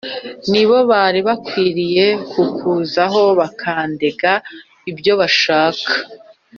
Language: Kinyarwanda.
Ni bo bari bakwiriye kukuzaho bakandega ibyo bashaka